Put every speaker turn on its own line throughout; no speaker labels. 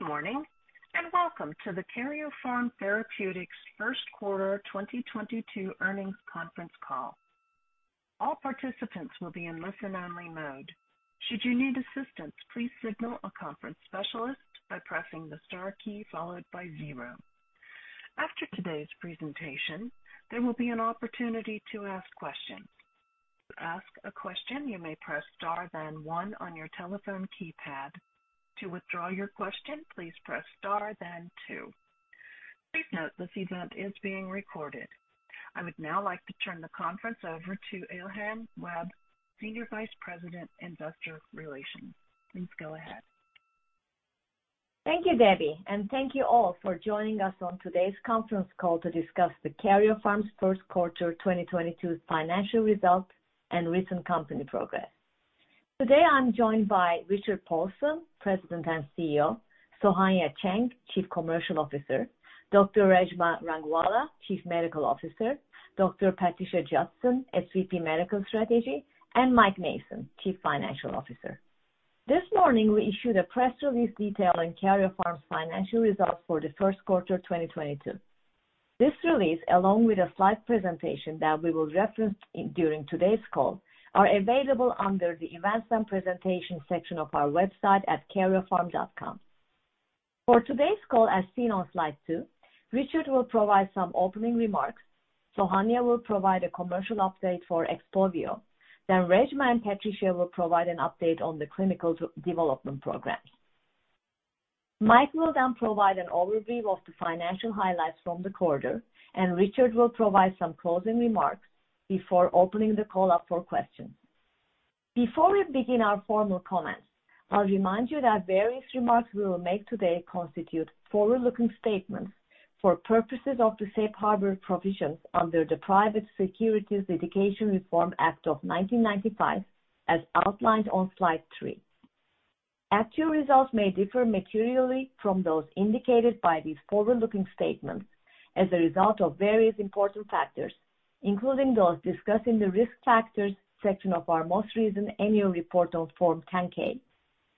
Good morning, and welcome to the Karyopharm Therapeutics First Quarter 2022 Earnings Conference Call. All participants will be in listen-only mode. Should you need assistance, please signal a conference specialist by pressing the star key followed by zero. After today's presentation, there will be an opportunity to ask questions. To ask a question, you may press star then one on your telephone keypad. To withdraw your question, please press star then two. Please note this event is being recorded. I would now like to turn the conference over to Elhan Webb, Senior Vice President, Investor Relations. Please go ahead.
Thank you, Debbie, and thank you all for joining us on today's conference call to discuss Karyopharm's first quarter 2022 financial results and recent company progress. Today I'm joined by Richard Paulson, President and CEO, Sohanya Cheng, Chief Commercial Officer, Dr. Reshma Rangwala, Chief Medical Officer, Dr. Patricia Judson, SVP, Medical Strategy, and Mike Mason, Chief Financial Officer. This morning, we issued a press release detailing Karyopharm's financial results for the first quarter 2022. This release, along with a slide presentation that we will reference during today's call, are available under the Events and Presentation section of our website at karyopharm.com. For today's call, as seen on slide two, Richard will provide some opening remarks. Sohanya will provide a commercial update for XPOVIO, then Reshma and Patricia will provide an update on the clinical development programs. Mike will then provide an overview of the financial highlights from the quarter, and Richard will provide some closing remarks before opening the call up for questions. Before we begin our formal comments, I'll remind you that various remarks we will make today constitute forward-looking statements for purposes of the safe harbor provisions under the Private Securities Litigation Reform Act of 1995, as outlined on slide three. Actual results may differ materially from those indicated by these forward-looking statements as a result of various important factors, including those discussed in the Risk Factors section of our most recent annual report on Form 10-K,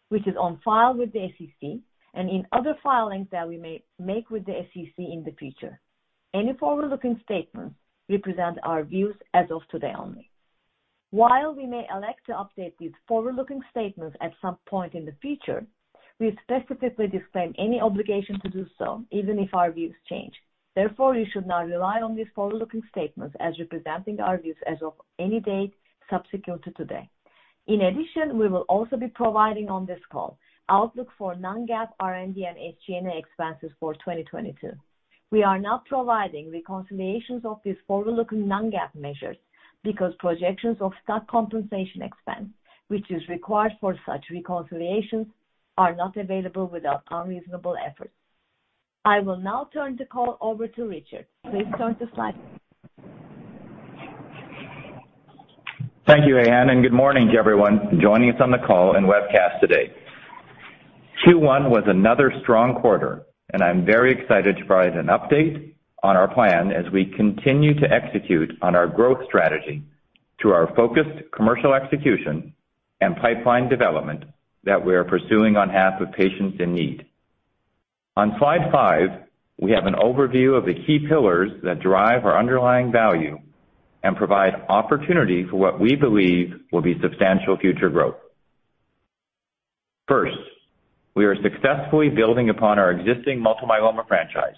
which is on file with the SEC, and in other filings that we may make with the SEC in the future. Any forward-looking statements represent our views as of today only. While we may elect to update these forward-looking statements at some point in the future, we specifically disclaim any obligation to do so, even if our views change. Therefore, you should not rely on these forward-looking statements as representing our views as of any date subsequent to today. In addition, we will also be providing on this call outlook for non-GAAP R&D and SG&A expenses for 2022. We are not providing reconciliations of these forward-looking non-GAAP measures because projections of stock compensation expense, which is required for such reconciliations, are not available without unreasonable efforts. I will now turn the call over to Richard. Please start the slides.
Thank you, Elhan, and good morning to everyone joining us on the call and webcast today. Q1 was another strong quarter, and I'm very excited to provide an update on our plan as we continue to execute on our growth strategy through our focused commercial execution and pipeline development that we are pursuing on behalf of patients in need. On slide five, we have an overview of the key pillars that drive our underlying value and provide opportunity for what we believe will be substantial future growth. First, we are successfully building upon our existing multiple myeloma franchise.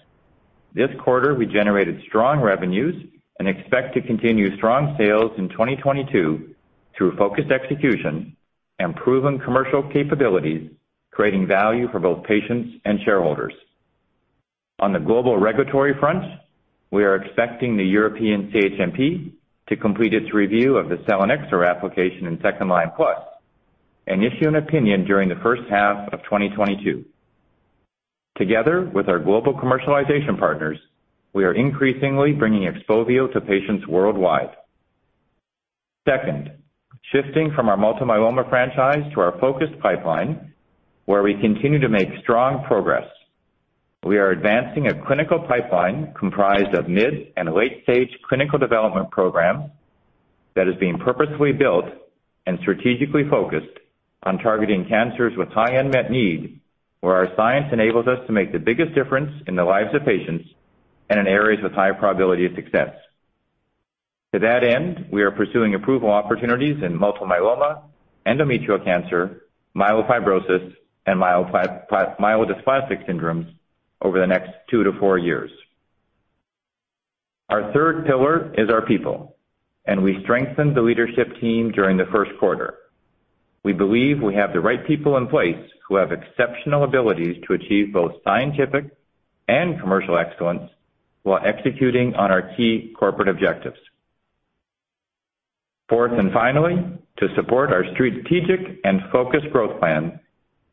This quarter, we generated strong revenues and expect to continue strong sales in 2022 through focused execution and proven commercial capabilities, creating value for both patients and shareholders. On the global regulatory front, we are expecting the European CHMP to complete its review of the selinexor application in second-line plus and issue an opinion during the first half of 2022. Together with our global commercialization partners, we are increasingly bringing XPOVIO to patients worldwide. Second, shifting from our multiple myeloma franchise to our focused pipeline, where we continue to make strong progress. We are advancing a clinical pipeline comprised of mid- and late-stage clinical development programs that is being purposefully built and strategically focused on targeting cancers with high unmet need, where our science enables us to make the biggest difference in the lives of patients and in areas with high probability of success. To that end, we are pursuing approval opportunities in multiple myeloma, endometrial cancer, myelofibrosis, and myelodysplastic syndromes over the next 2 years-4 years. Our third pillar is our people, and we strengthened the leadership team during the first quarter. We believe we have the right people in place who have exceptional abilities to achieve both scientific and commercial excellence while executing on our key corporate objectives. Fourth, and finally, to support our strategic and focused growth plan,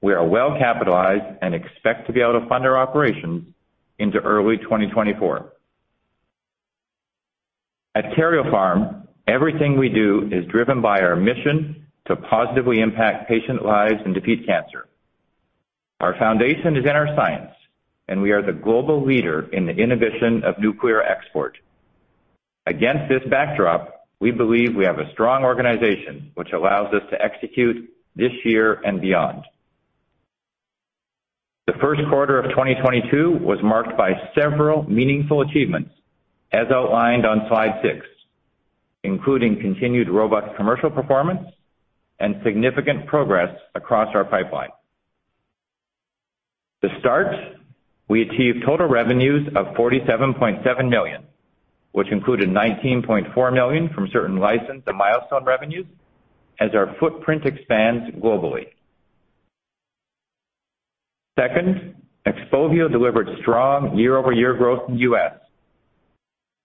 we are well capitalized and expect to be able to fund our operations into early 2024. At Karyopharm, everything we do is driven by our mission to positively impact patient lives and defeat cancer. Our foundation is in our science, and we are the global leader in the inhibition of nuclear export. Against this backdrop, we believe we have a strong organization which allows us to execute this year and beyond. The first quarter of 2022 was marked by several meaningful achievements, as outlined on slide six, including continued robust commercial performance and significant progress across our pipeline. To start, we achieved total revenues of $47.7 million, which included $19.4 million from certain license and milestone revenues as our footprint expands globally. Second, XPOVIO delivered strong year-over-year growth in the U.S.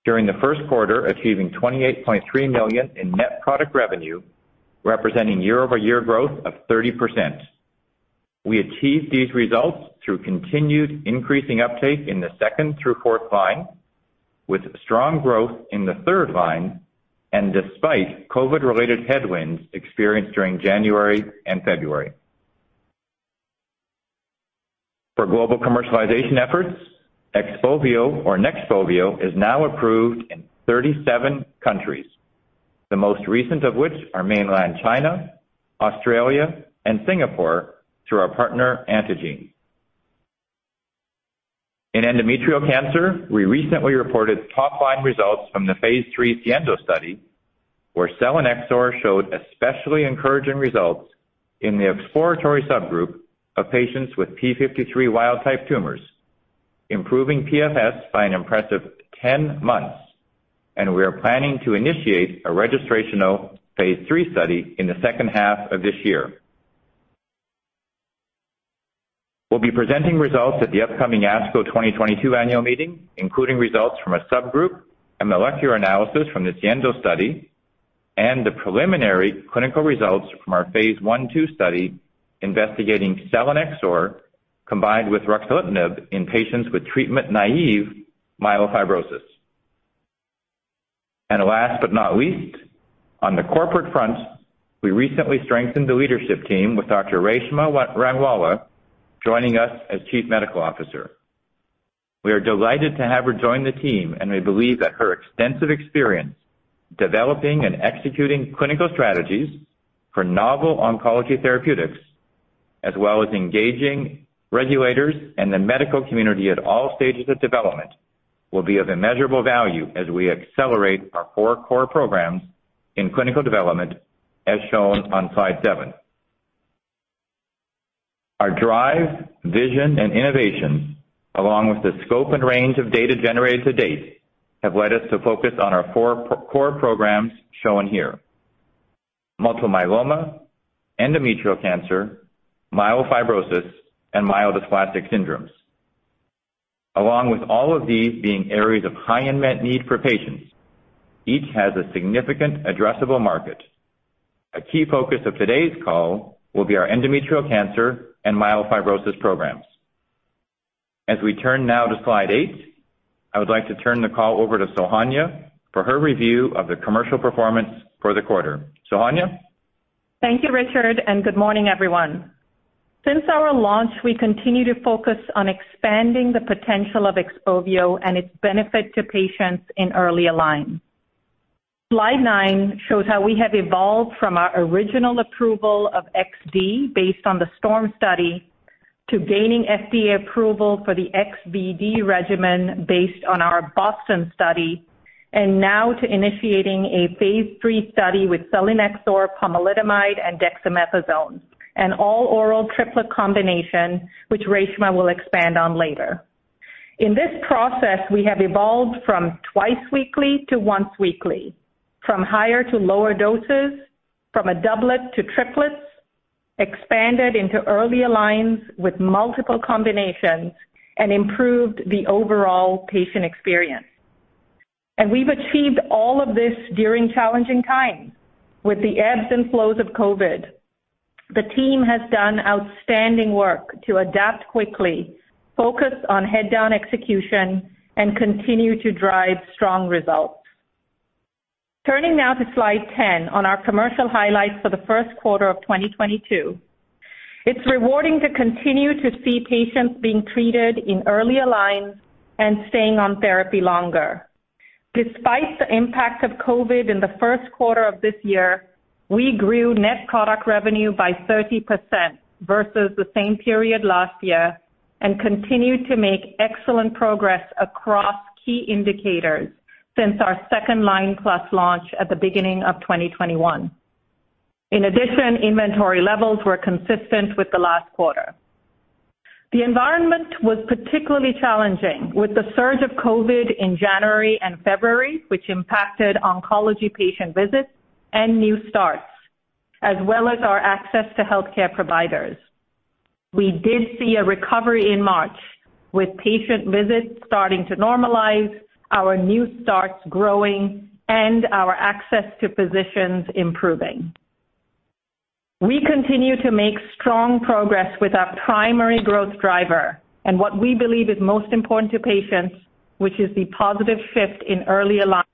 during the first quarter, achieving $28.3 million in net product revenue, representing year-over-year growth of 30%. We achieved these results through continued increasing uptake in the second through fourth line, with strong growth in the third line and despite COVID-related headwinds experienced during January and February. For global commercialization efforts, XPOVIO or NEXPOVIO is now approved in 37 countries, the most recent of which are mainland China, Australia, and Singapore through our partner, Antengene. In endometrial cancer, we recently reported top line results from the phase III SIENDO study, where selinexor showed especially encouraging results in the exploratory subgroup of patients with p53 wild-type tumors, improving PFS by an impressive 10 months, and we are planning to initiate a registrational phase III study in the second half of this year. We'll be presenting results at the upcoming ASCO 2022 annual meeting, including results from a subgroup and molecular analysis from the SIENDO study, and the preliminary clinical results from our phase I/II study investigating selinexor combined with ruxolitinib in patients with treatment-naive myelofibrosis. Last but not least, on the corporate front, we recently strengthened the leadership team with Dr. Reshma Rangwala joining us as Chief Medical Officer. We are delighted to have her join the team, and we believe that her extensive experience developing and executing clinical strategies for novel oncology therapeutics, as well as engaging regulators and the medical community at all stages of development, will be of immeasurable value as we accelerate our four core programs in clinical development as shown on slide seven. Our drive, vision, and innovations, along with the scope and range of data generated to date, have led us to focus on our four core programs shown here. Multiple myeloma, endometrial cancer, myelofibrosis, and myelodysplastic syndromes. Along with all of these being areas of high unmet need for patients, each has a significant addressable market. A key focus of today's call will be our endometrial cancer and myelofibrosis programs. As we turn now to slide eight, I would like to turn the call over to Sohanya for her review of the commercial performance for the quarter. Sohanya?
Thank you, Richard, and good morning, everyone. Since our launch, we continue to focus on expanding the potential of XPOVIO and its benefit to patients in earlier lines. Slide nine shows how we have evolved from our original approval of Xd based on the STORM study to gaining FDA approval for the XVd regimen based on our BOSTON study, and now to initiating a phase III study with selinexor, pomalidomide, and dexamethasone, an all-oral triplet combination which Reshma will expand on later. In this process, we have evolved from twice-weekly to once-weekly, from higher to lower doses, from a doublet to triplets, expanded into earlier lines with multiple combinations, and improved the overall patient experience. We've achieved all of this during challenging times. With the ebbs and flows of COVID, the team has done outstanding work to adapt quickly, focus on head-down execution, and continue to drive strong results. Turning now to slide 10 on our commercial highlights for the first quarter of 2022. It's rewarding to continue to see patients being treated in earlier lines and staying on therapy longer. Despite the impact of COVID in the first quarter of this year, we grew net product revenue by 30% versus the same period last year and continued to make excellent progress across key indicators since our second-line plus launch at the beginning of 2021. In addition, inventory levels were consistent with the last quarter. The environment was particularly challenging with the surge of COVID in January and February, which impacted oncology patient visits and new starts, as well as our access to healthcare providers. We did see a recovery in March with patient visits starting to normalize, our new starts growing, and our access to physicians improving. We continue to make strong progress with our primary growth driver and what we believe is most important to patients, which is the positive shift in earlier lines.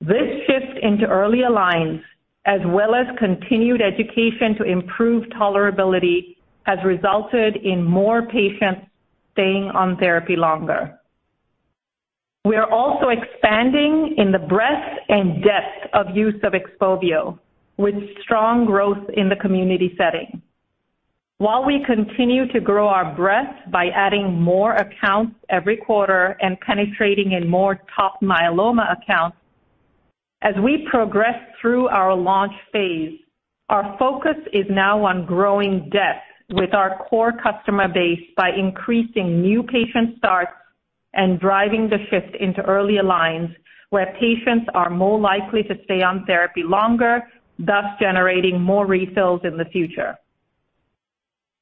This shift into earlier lines, as well as continued education to improve tolerability, has resulted in more patients staying on therapy longer. We are also expanding in the breadth and depth of use of XPOVIO, with strong growth in the community setting. While we continue to grow our breadth by adding more accounts every quarter and penetrating in more top myeloma accounts, as we progress through our launch phase, our focus is now on growing depth with our core customer base by increasing new patient starts and driving the shift into earlier lines, where patients are more likely to stay on therapy longer, thus generating more refills in the future.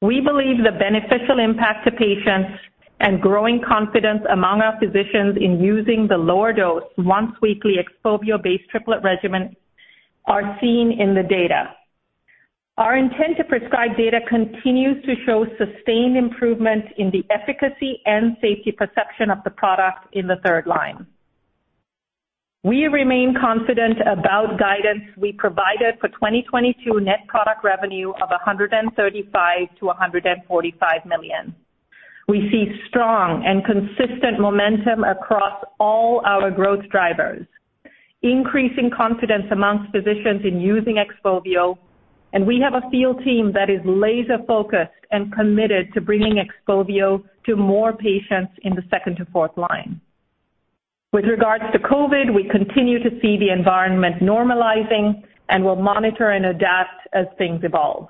We believe the beneficial impact to patients and growing confidence among our physicians in using the lower dose once-weekly XPOVIO-based triplet regimens are seen in the data. Our intent to prescribe data continues to show sustained improvement in the efficacy and safety perception of the product in the third line. We remain confident about guidance we provided for 2022 net product revenue of $135 million-$145 million. We see strong and consistent momentum across all our growth drivers, increasing confidence amongst physicians in using XPOVIO, and we have a field team that is laser-focused and committed to bringing XPOVIO to more patients in the second to fourth line. With regards to COVID, we continue to see the environment normalizing and will monitor and adapt as things evolve.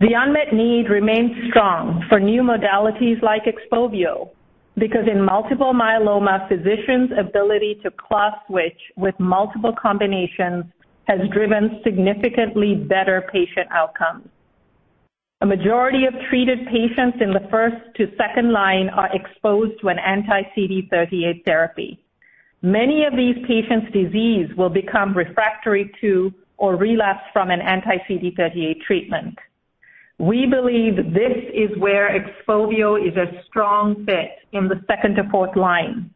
The unmet need remains strong for new modalities like XPOVIO because in multiple myeloma, physicians' ability to class switch with multiple combinations has driven significantly better patient outcomes. A majority of treated patients in the first to second line are exposed to an anti-CD38 therapy. Many of these patients' diseases will become refractory to or relapse from an anti-CD38 treatment. We believe this is where XPOVIO is a strong fit in the second to fourth line.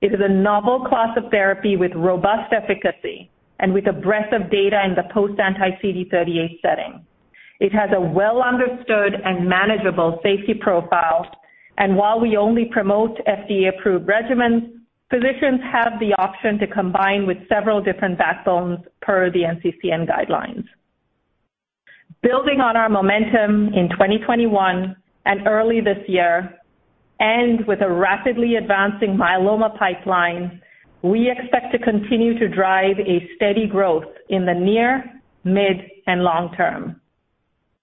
It is a novel class of therapy with robust efficacy and with a breadth of data in the post-anti-CD38 setting. It has a well-understood and manageable safety profile, and while we only promote FDA-approved regimens, physicians have the option to combine with several different backbones per the NCCN guidelines. Building on our momentum in 2021 and early this year, and with a rapidly advancing myeloma pipeline, we expect to continue to drive a steady growth in the near, mid, and long term.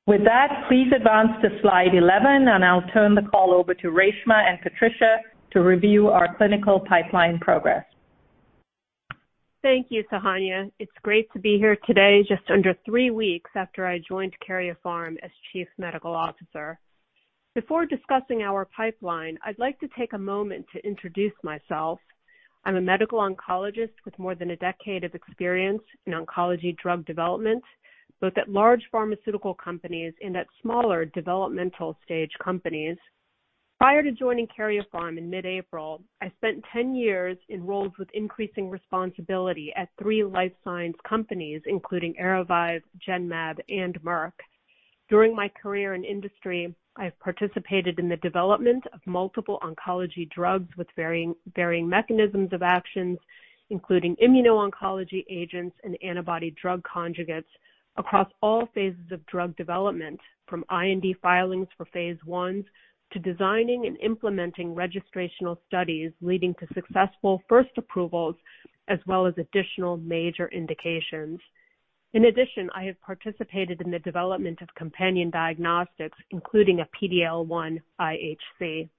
With that, please advance to slide 11, and I'll turn the call over to Reshma and Patricia to review our clinical pipeline progress.
Thank you, Sohanya. It's great to be here today, just under three weeks after I joined Karyopharm as chief medical officer. Before discussing our pipeline, I'd like to take a moment to introduce myself. I'm a medical oncologist with more than a decade of experience in oncology drug development, both at large pharmaceutical companies and at smaller developmental stage companies. Prior to joining Karyopharm in mid-April, I spent 10 years in roles with increasing responsibility at three life science companies, including Aravive, Genmed, and Merck. During my career in industry, I have participated in the development of multiple oncology drugs with varying mechanisms of actions, including immuno-oncology agents and antibody-drug conjugates across all phases of drug development—from IND filings for phase I to designing and implementing registrational studies leading to successful first approvals as well as additional major indications. In addition, I have participated in the development of companion diagnostics, including a PD-L1 IHC.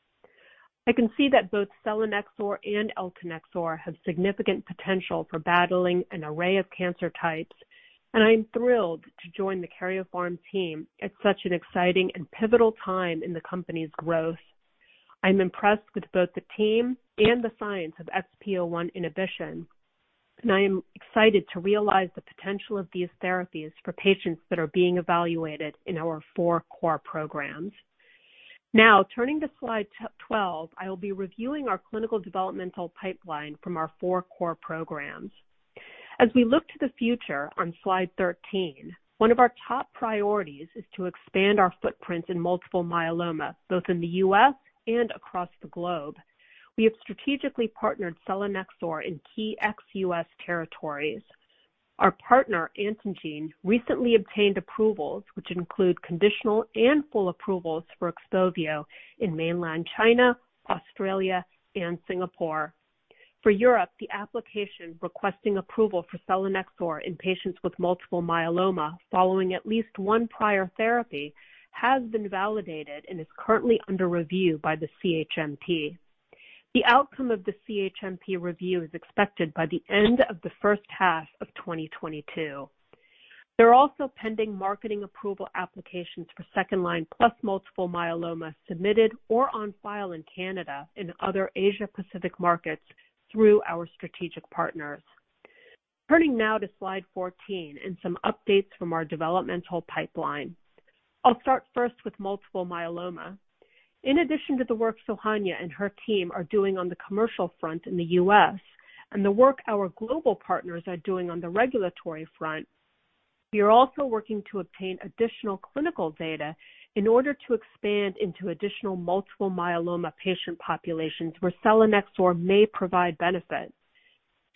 I can see that both selinexor and eltanexor have significant potential for battling an array of cancer types, and I am thrilled to join the Karyopharm team at such an exciting and pivotal time in the company's growth. I'm impressed with both the team and the science of XPO1 inhibition, and I am excited to realize the potential of these therapies for patients that are being evaluated in our four core programs. Now, turning to slide 12, I will be reviewing our clinical development pipeline from our four core programs. As we look to the future on slide 13, one of our top priorities is to expand our footprint in multiple myeloma, both in the U.S. and across the globe. We have strategically partnered selinexor in key ex-U.S. territories. Our partner, Antengene, recently obtained approvals, which include conditional and full approvals for XPOVIO in mainland China, Australia, and Singapore. For Europe, the application requesting approval for selinexor in patients with multiple myeloma following at least one prior therapy has been validated and is currently under review by the CHMP. The outcome of the CHMP review is expected by the end of the first half of 2022. There are also pending marketing approval applications for second-line plus multiple myeloma submitted or on file in Canada and other Asia-Pacific markets through our strategic partners. Turning now to slide 14 and some updates from our developmental pipeline. I'll start first with multiple myeloma. In addition to the work Sohanya and her team are doing on the commercial front in the U.S. and the work our global partners are doing on the regulatory front. We are also working to obtain additional clinical data in order to expand into additional multiple myeloma patient populations where selinexor may provide benefits.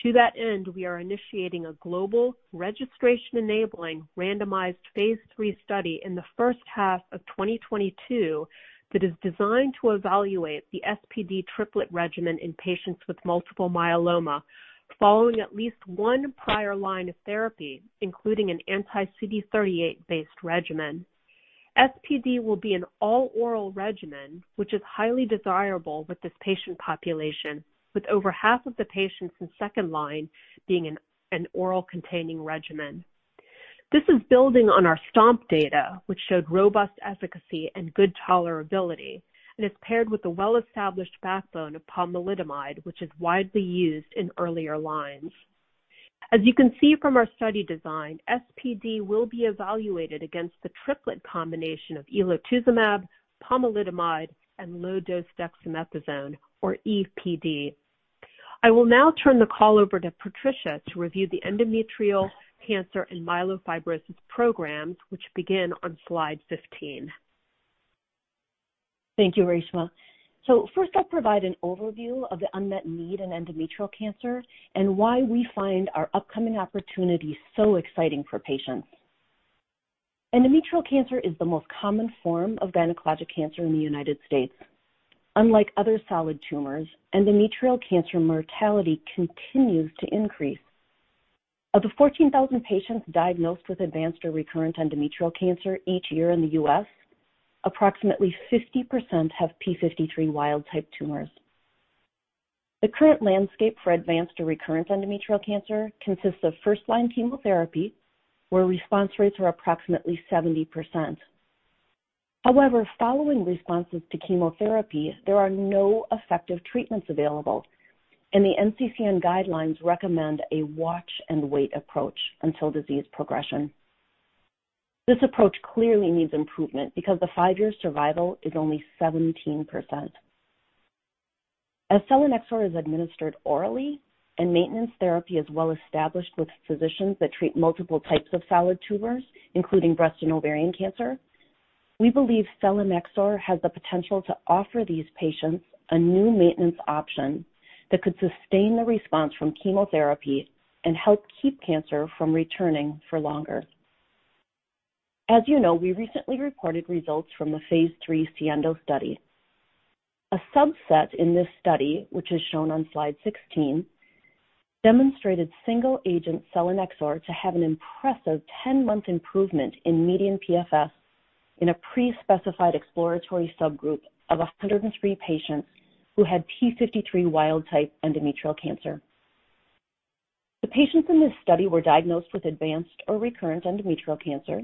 To that end, we are initiating a global registration-enabling randomized phase III study in the first half of 2022 that is designed to evaluate the SPD triplet regimen in patients with multiple myeloma following at least one prior line of therapy, including an anti-CD38-based regimen. SPD will be an all-oral regimen, which is highly desirable with this patient population, with over half of the patients in second line being an oral containing regimen. This is building on our STOMP data, which showed robust efficacy and good tolerability, and is paired with the well-established backbone of pomalidomide, which is widely used in earlier lines. As you can see from our study design, SPD will be evaluated against the triplet combination of elotuzumab, pomalidomide, and low-dose dexamethasone, or EPd. I will now turn the call over to Patricia to review the endometrial cancer and myelofibrosis programs, which begin on slide 15.
Thank you, Reshma. First, I'll provide an overview of the unmet need in endometrial cancer and why we find our upcoming opportunities so exciting for patients. Endometrial cancer is the most common form of gynecologic cancer in the United States. Unlike other solid tumors, endometrial cancer mortality continues to increase. Of the 14,000 patients diagnosed with advanced or recurrent endometrial cancer each year in the U.S., approximately 50% have p53 wild-type tumors. The current landscape for advanced or recurrent endometrial cancer consists of first line chemotherapy, where response rates are approximately 70%. However, following responses to chemotherapy, there are no effective treatments available, and the NCCN guidelines recommend a watch and wait approach until disease progression. This approach clearly needs improvement because the five-year survival is only 17%. As selinexor is administered orally and maintenance therapy is well established with physicians that treat multiple types of solid tumors, including breast and ovarian cancer, we believe selinexor has the potential to offer these patients a new maintenance option that could sustain the response from chemotherapy and help keep cancer from returning for longer. As you know, we recently reported results from the phase III SIENDO study. A subset in this study, which is shown on slide 16, demonstrated single agent selinexor to have an impressive 10-month improvement in median PFS in a pre-specified exploratory subgroup of 103 patients who had p53 wild-type endometrial cancer. The patients in this study were diagnosed with advanced or recurrent endometrial cancer.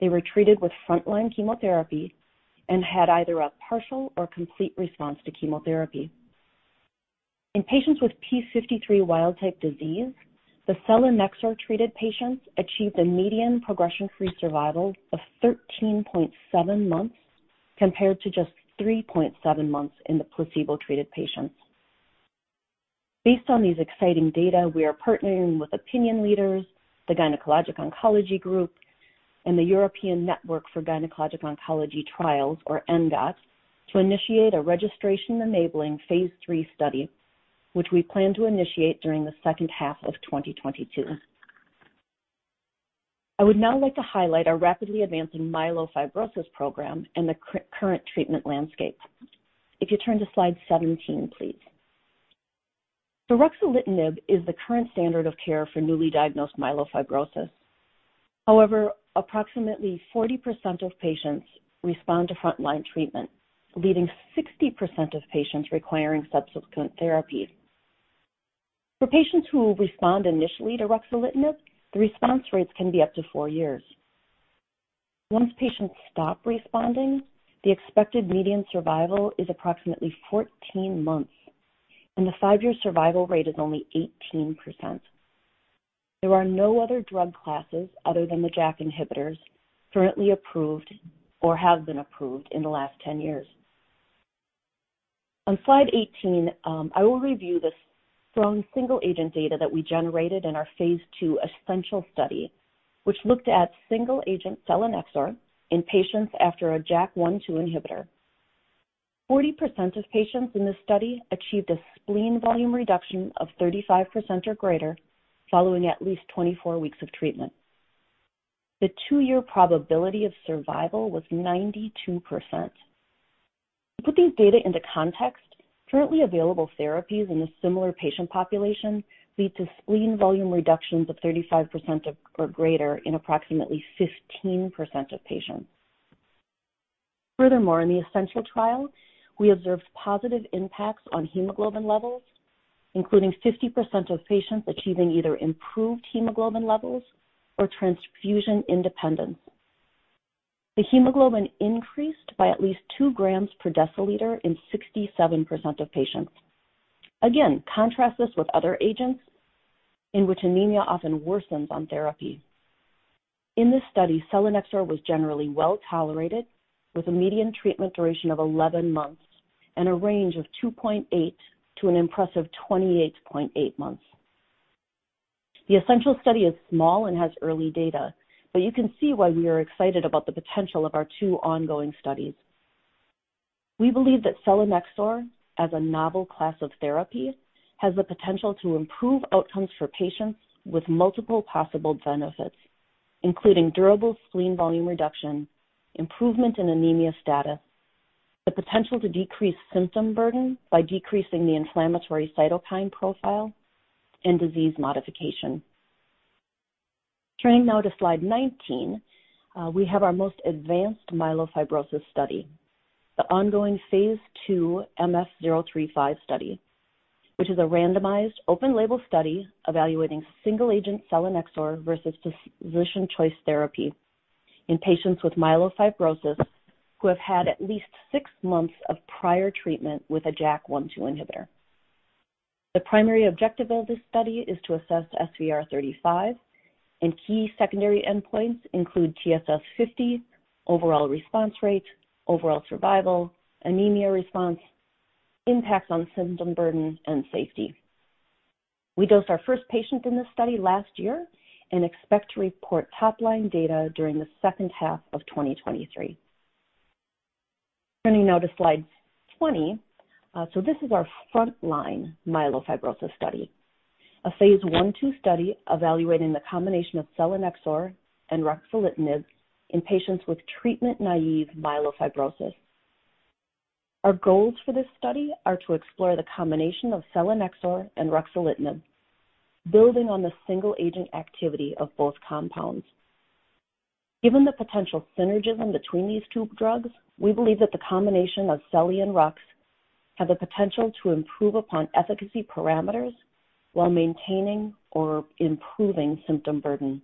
They were treated with frontline chemotherapy and had either a partial or complete response to chemotherapy. In patients with p53 wild-type disease, the selinexor-treated patients achieved a median progression-free survival of 13.7 months, compared to just 3.7 months in the placebo-treated patients. Based on these exciting data, we are partnering with opinion leaders, the Gynecologic Oncology Group, and the European Network of Gynaecological Oncological Trial, or ENGOT, to initiate a registration-enabling phase III study, which we plan to initiate during the second half of 2022. I would now like to highlight our rapidly advancing myelofibrosis program and the current treatment landscape. If you turn to slide 17, please. Ruxolitinib is the current standard of care for newly diagnosed myelofibrosis. However, approximately 40% of patients respond to frontline treatment, leaving 60% of patients requiring subsequent therapy. For patients who respond initially to ruxolitinib, the response rates can be up to 4 years. Once patients stop responding, the expected median survival is approximately 14 months, and the 5-year survival rate is only 18%. There are no other drug classes other than the JAK inhibitors currently approved or have been approved in the last 10 years. On slide 18, I will review the strong single agent data that we generated in our phase II ESSENTIAL study, which looked at single agent selinexor in patients after a JAK1/2 inhibitor. 40% of patients in this study achieved a spleen volume reduction of 35% or greater following at least 24 weeks of treatment. The 2-year probability of survival was 92%. To put these data into context, currently available therapies in a similar patient population lead to spleen volume reductions of 35% or greater in approximately 15% of patients. Furthermore, in the ESSENTIAL trial, we observed positive impacts on hemoglobin levels, including 50% of patients achieving either improved hemoglobin levels or transfusion independence. The hemoglobin increased by at least two grams per deciliter in 67% of patients. Again, contrast this with other agents in which anemia often worsens on therapy. In this study, selinexor was generally well-tolerated with a median treatment duration of 11 months. A range of 2.8 months to an impressive 28.8 months. The ESSENTIAL study is small and has early data, but you can see why we are excited about the potential of our two ongoing studies. We believe that selinexor, as a novel class of therapy, has the potential to improve outcomes for patients with multiple possible benefits, including durable spleen volume reduction, improvement in anemia status, the potential to decrease symptom burden by decreasing the inflammatory cytokine profile and disease modification. Turning now to slide 19, we have our most advanced myelofibrosis study, the ongoing phase II MF-035 study, which is a randomized open label study evaluating single agent selinexor versus physician choice therapy in patients with myelofibrosis who have had at least 6 months of prior treatment with a JAK1/2 inhibitor. The primary objective of this study is to assess SVR35, and key secondary endpoints include TSS50, overall response rate, overall survival, anemia response, impact on symptom burden and safety. We dosed our first patient in this study last year and expect to report top line data during the second half of 2023. Turning now to slide 20. This is our frontline myelofibrosis study, a phase I/II study evaluating the combination of selinexor and ruxolitinib in patients with treatment-naive myelofibrosis. Our goals for this study are to explore the combination of selinexor and ruxolitinib, building on the single agent activity of both compounds. Given the potential synergism between these two drugs, we believe that the combination of Seli and Rux have the potential to improve upon efficacy parameters while maintaining or improving symptom burden.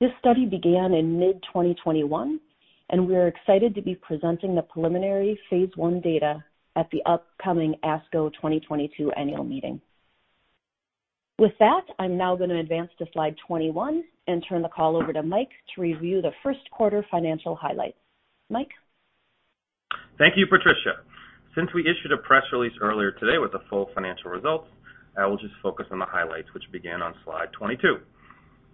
This study began in mid-2021, and we are excited to be presenting the preliminary phase I data at the upcoming ASCO 2022 annual meeting. With that, I'm now going to advance to slide 21 and turn the call over to Mike to review the first quarter financial highlights. Mike?
Thank you, Patricia. Since we issued a press release earlier today with the full financial results, I will just focus on the highlights which begin on slide 22.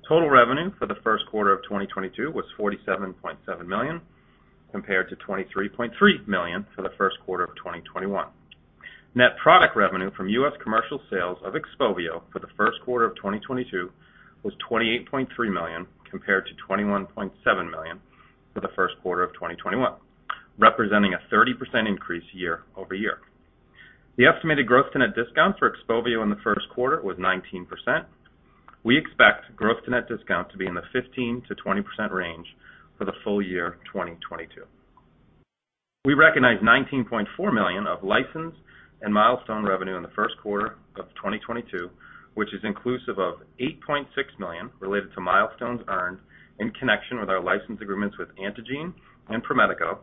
Total revenue for the first quarter of 2022 was $47.7 million, compared to $23.3 million for the first quarter of 2021. Net product revenue from U.S. commercial sales of XPOVIO for the first quarter of 2022 was $28.3 million, compared to $21.7 million for the first quarter of 2021, representing a 30% increase year-over-year. The estimated gross-to-net discount for XPOVIO in the first quarter was 19%. We expect gross-to-net discount to be in the 15%-20% range for the full year 2022. We recognized $19.4 million of license and milestone revenue in the first quarter of 2022, which is inclusive of $8.6 million related to milestones earned in connection with our license agreements with Antengene and Promedico,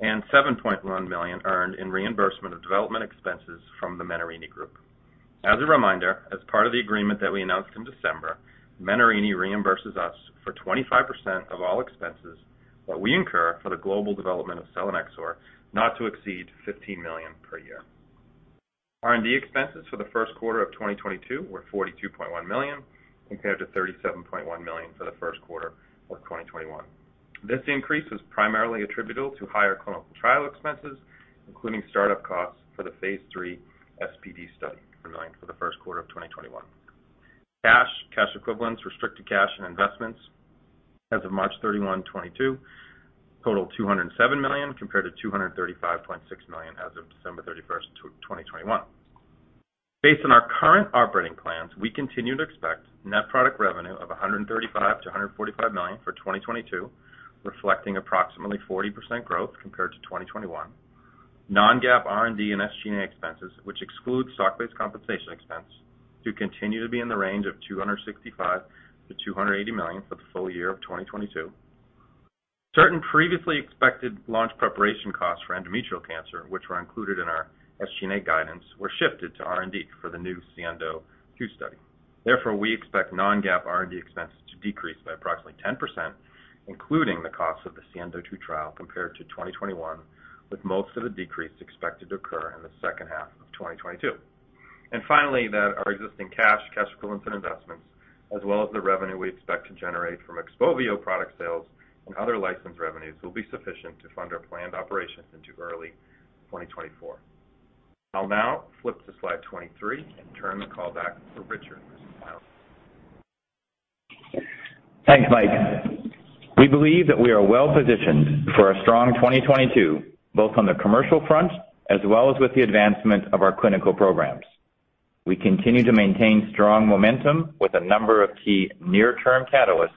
and $7.1 million earned in reimbursement of development expenses from the Menarini Group. As a reminder, as part of the agreement that we announced in December, Menarini reimburses us for 25% of all expenses that we incur for the global development of Selinexor, not to exceed $15 million per year. R&D expenses for the first quarter of 2022 were $42.1 million, compared to $37.1 million for the first quarter of 2021. This increase is primarily attributable to higher clinical trial expenses, including start-up costs for the phase III SPD study for the first quarter of 2021. Cash, cash equivalents, restricted cash and investments as of March 31, 2022 totaled $207 million, compared to $235.6 million as of December 31, 2021. Based on our current operating plans, we continue to expect net product revenue of $135 million-$145 million for 2022, reflecting approximately 40% growth compared to 2021. Non-GAAP, R&D and SG&A expenses, which excludes stock-based compensation expense to continue to be in the range of $265 million-$280 million for the full year of 2022. Certain previously expected launch preparation costs for endometrial cancer, which were included in our SG&A guidance, were shifted to R&D for the new SIENDO-II study. Therefore, we expect non-GAAP R&D expenses to decrease by approximately 10%, including the cost of the SIENDO-II trial compared to 2021, with most of the decrease expected to occur in the second half of 2022. Finally, that our existing cash equivalents, and investments, as well as the revenue we expect to generate from XPOVIO product sales and other license revenues, will be sufficient to fund our planned operations into early 2024. I'll now flip to slide 23 and turn the call back to Richard for some final remarks.
Thanks, Mike. We believe that we are well-positioned for a strong 2022, both on the commercial front as well as with the advancement of our clinical programs. We continue to maintain strong momentum with a number of key near-term catalysts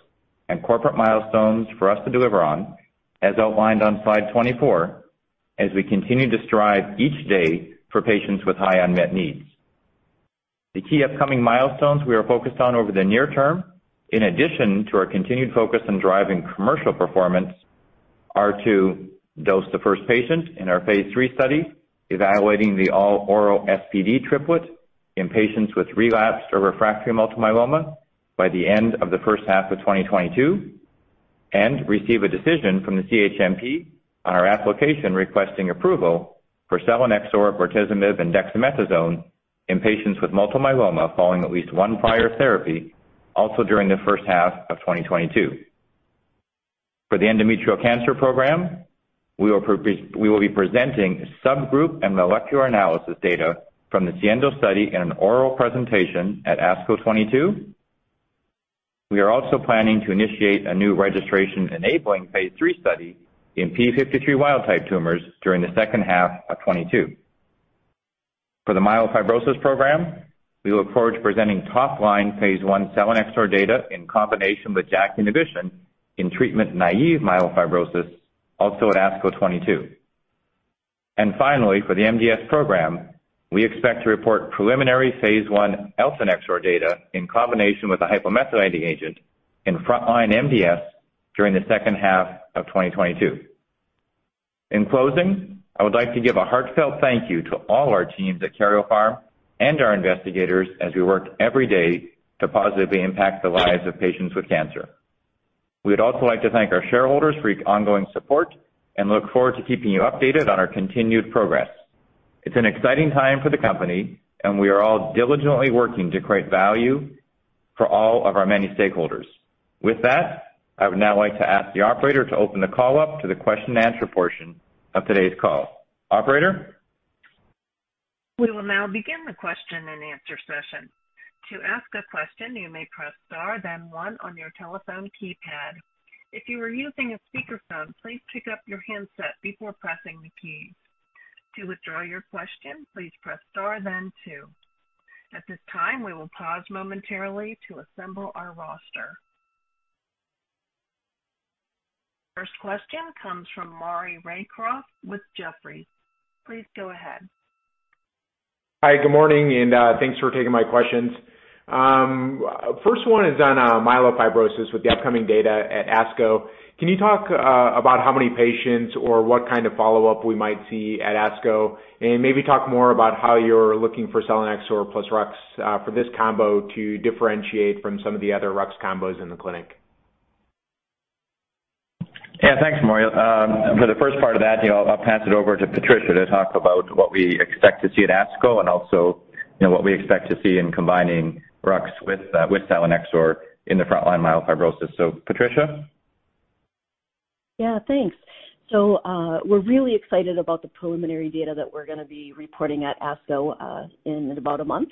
and corporate milestones for us to deliver on, as outlined on slide 24, as we continue to strive each day for patients with high unmet needs. The key upcoming milestones we are focused on over the near term, in addition to our continued focus on driving commercial performance, are to dose the first patient in our phase III study evaluating the all-oral SPD triplet in patients with relapsed or refractory multiple myeloma by the end of the first half of 2022.
Receive a decision from the CHMP on our application requesting approval for selinexor, bortezomib, and dexamethasone in patients with multiple myeloma following at least one prior therapy, also during the first half of 2022. For the endometrial cancer program, we will be presenting subgroup and molecular analysis data from the SIENDO study in an oral presentation at ASCO 2022. We are also planning to initiate a new registration-enabling phase III study in p53 wild-type tumors during the second half of 2022. For the myelofibrosis program, we look forward to presenting top-line phase I selinexor data in combination with JAK inhibition in treatment-naive myelofibrosis, also at ASCO 2022. Finally, for the MDS program, we expect to report preliminary phase I eltanexor data in combination with a hypomethylating agent in frontline MDS during the second half of 2022. In closing, I would like to give a heartfelt thank you to all our teams at Karyopharm and our investigators as we work every day to positively impact the lives of patients with cancer. We would also like to thank our shareholders for your ongoing support and look forward to keeping you updated on our continued progress. It's an exciting time for the company, and we are all diligently working to create value for all of our many stakeholders. With that, I would now like to ask the operator to open the call up to the question and answer portion of today's call. Operator?
We will now begin the question and answer session. To ask a question, you may press Star, then one on your telephone keypad. If you are using a speakerphone, please pick up your handset before pressing the keys. To withdraw your question, please press Star then two. At this time, we will pause momentarily to assemble our roster. First question comes from Maury Raycroft with Jefferies. Please go ahead.
Hi, good morning, and thanks for taking my questions. First one is on myelofibrosis with the upcoming data at ASCO. Can you talk about how many patients or what kind of follow-up we might see at ASCO? Maybe talk more about how you're looking for selinexor plus ruxolitinib for this combo to differentiate from some of the other ruxolitinib combos in the clinic.
Yeah. Thanks, Maury. For the first part of that, you know, I'll pass it over to Patricia to talk about what we expect to see at ASCO and also, you know, what we expect to see in combining Rux with Selinexor in the frontline myelofibrosis. Patricia?
Yeah, thanks. We're really excited about the preliminary data that we're gonna be reporting at ASCO in about a month.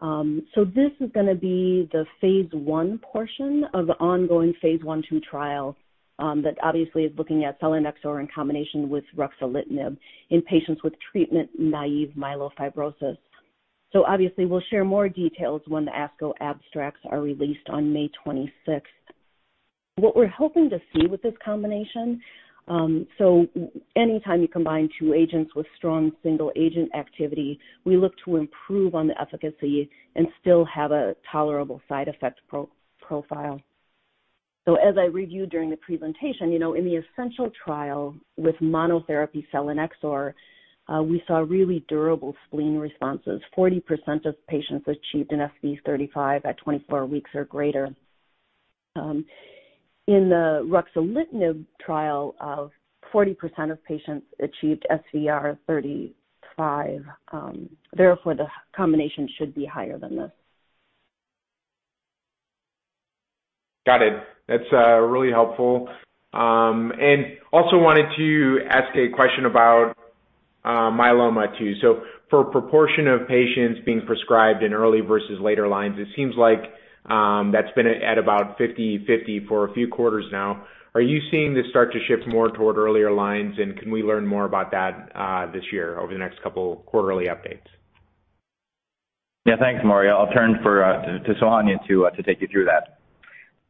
This is gonna be the phase I portion of the ongoing phase I/II trial that obviously is looking at selinexor in combination with ruxolitinib in patients with treatment-naive myelofibrosis. Obviously we'll share more details when the ASCO abstracts are released on May 26th. What we're hoping to see with this combination, anytime you combine two agents with strong single agent activity, we look to improve on the efficacy and still have a tolerable side effect profile. As I reviewed during the presentation, you know, in the ESSENTIAL trial with monotherapy selinexor, we saw really durable spleen responses. 40% of patients achieved an SVR35 at 24 weeks or greater. In the ruxolitinib trial, 40% of patients achieved SVR35. Therefore, the combination should be higher than this.
Got it. That's really helpful. Also wanted to ask a question about myeloma too. For proportion of patients being prescribed in early versus later lines, it seems like that's been at about 50/50 for a few quarters now. Are you seeing this start to shift more toward earlier lines? Can we learn more about that this year over the next couple quarterly updates?
Yeah. Thanks, Maury. I'll turn to Sohanya to take you through that.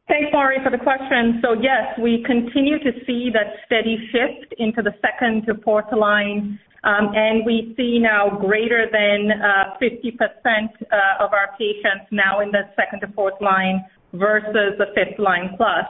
Thanks, Maury, for the question. Yes, we continue to see that steady shift into the second to fourth line. We see now greater than 50% of our patients now in the second to fourth line versus the fifth line plus.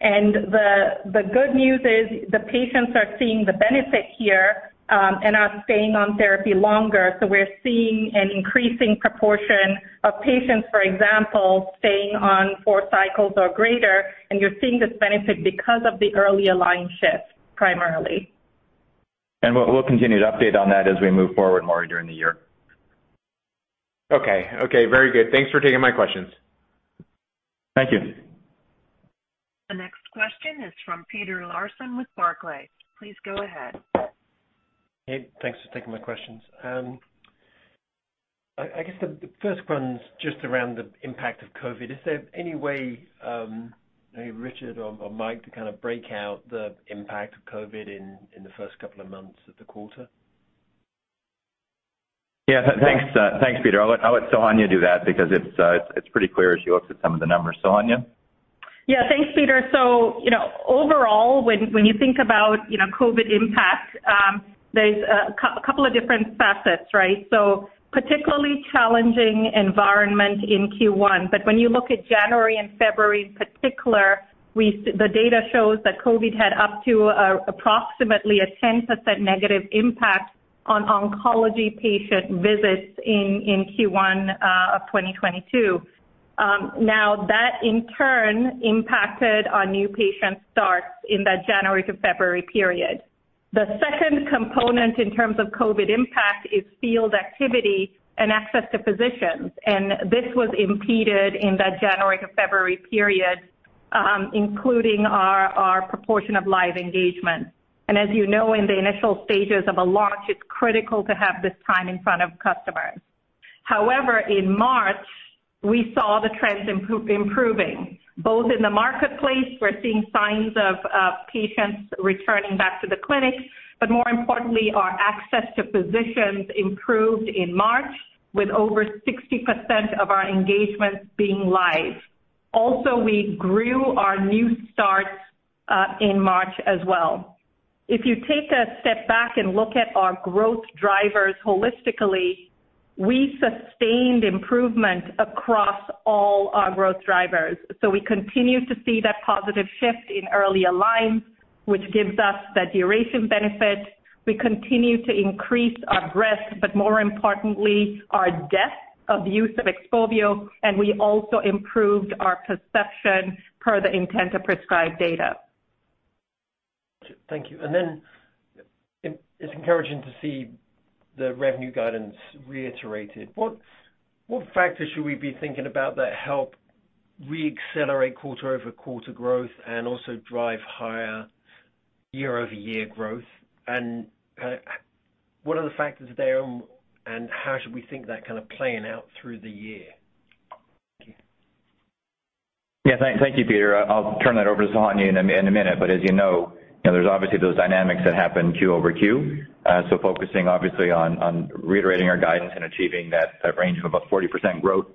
The good news is the patients are seeing the benefit here and are staying on therapy longer. We're seeing an increasing proportion of patients, for example, staying on four cycles or greater, and you're seeing this benefit because of the earlier line shift, primarily.
We'll continue to update on that as we move forward, Maury, during the year.
Okay. Okay, very good. Thanks for taking my questions.
Thank you.
The next question is from Peter Lawson with Barclays. Please go ahead.
Hey, thanks for taking my questions. I guess the first one's just around the impact of COVID. Is there any way, maybe Richard or Mike, to kind of break out the impact of COVID in the first couple of months of the quarter?
Thanks, Peter. I'll let Sohanya do that because it's pretty clear as she looks at some of the numbers. Sohanya?
Yeah. Thanks, Peter. You know, overall when you think about COVID impact, there's a couple of different facets, right? Particularly challenging environment in Q1, but when you look at January and February in particular, the data shows that COVID had up to approximately a 10% negative impact on oncology patient visits in Q1 of 2022. Now that in turn impacted our new patient starts in that January to February period. The second component in terms of COVID impact is field activity and access to physicians. This was impeded in that January to February period, including our proportion of live engagement. As you know, in the initial stages of a launch, it's critical to have this time in front of customers. However, in March, we saw the trends improving, both in the marketplace. We're seeing signs of patients returning back to the clinic, but more importantly, our access to physicians improved in March with over 60% of our engagements being live. Also, we grew our new starts in March as well. If you take a step back and look at our growth drivers holistically, we sustained improvement across all our growth drivers. We continue to see that positive shift in early line, which gives us the duration benefit. We continue to increase our breadth, but more importantly, our depth of use of XPOVIO, and we also improved our position per the intent to prescribe data.
Thank you. Then it's encouraging to see the revenue guidance reiterated. What factors should we be thinking about that help reaccelerate quarter-over-quarter growth and also drive higher year-over-year growth? What are the factors there and how should we think that kind of playing out through the year?
Thank you, Peter. I'll turn that over to Sohanya in a minute. As you know, there's obviously those dynamics that happen quarter-over-quarter. So focusing obviously on reiterating our guidance and achieving that range of about 40% growth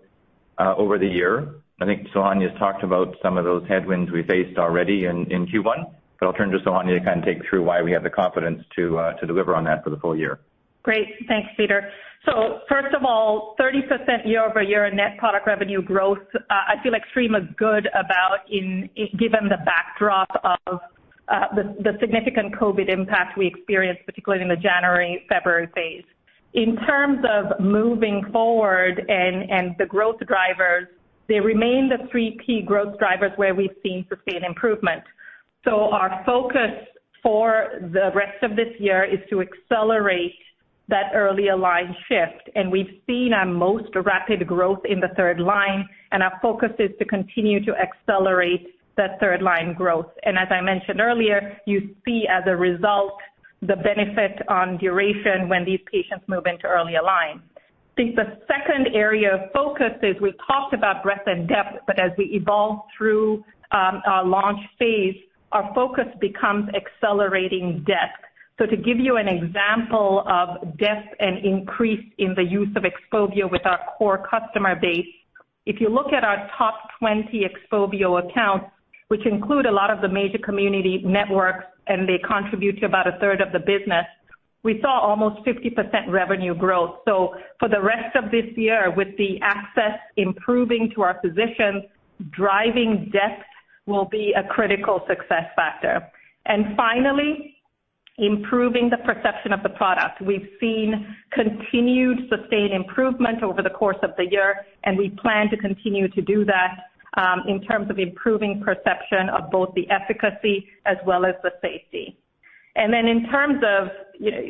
over the year. I think Sohanya has talked about some of those headwinds we faced already in Q1. I'll turn to Sohanya to kind of take you through why we have the confidence to deliver on that for the full year.
Great. Thanks, Peter. First of all, 30% year-over-year in net product revenue growth. I feel extremely good about it, given the backdrop of the significant COVID impact we experienced, particularly in the January-February phase. In terms of moving forward and the growth drivers, they remain the three key growth drivers where we've seen sustained improvement. Our focus for the rest of this year is to accelerate that earlier line shift. We've seen our most rapid growth in the third line, and our focus is to continue to accelerate that third line growth. As I mentioned earlier, you see as a result the benefit on duration when these patients move into earlier line. I think the second area of focus is we've talked about breadth and depth, but as we evolve through our launch phase, our focus becomes accelerating depth. To give you an example of depth and increase in the use of XPOVIO with our core customer base, if you look at our top 20 XPOVIO accounts, which include a lot of the major community networks, and they contribute to about 1/3 of the business, we saw almost 50% revenue growth. For the rest of this year, with the access improving to our physicians, driving depth will be a critical success factor. Finally, improving the perception of the product. We've seen continued sustained improvement over the course of the year, and we plan to continue to do that, in terms of improving perception of both the efficacy as well as the safety. In terms of,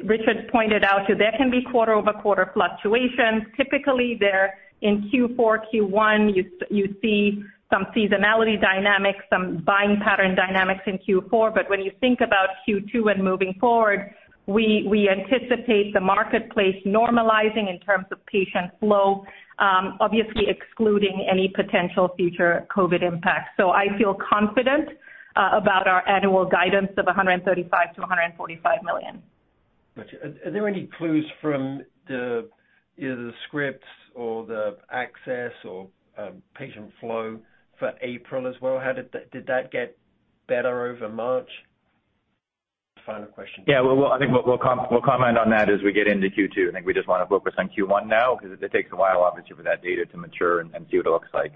Richard pointed out too, there can be quarter-over-quarter fluctuations. Typically, they're in Q4, Q1, you see some seasonality dynamics, some buying pattern dynamics in Q4. When you think about Q2 and moving forward, we anticipate the marketplace normalizing in terms of patient flow, obviously excluding any potential future COVID impacts. I feel confident about our annual guidance of $135 million-$145 million.
Are there any clues from the either the scripts or the access or patient flow for April as well? Did that get better over March? Final question.
Yeah. Well, I think we'll comment on that as we get into Q2. I think we just wanna focus on Q1 now because it takes a while, obviously, for that data to mature and see what it looks like.